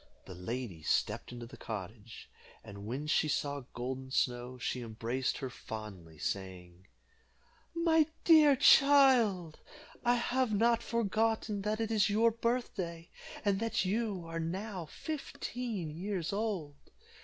The lady stepped into the cottage, and when she saw Golden Snow, she embraced her fondly, saying, "My dear child, I have not forgotten that it is your birthday, and that you are now fifteen years old."